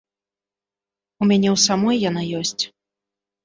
У мяне ў самой яна ёсць.